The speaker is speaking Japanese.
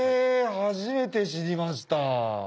初めて知りました。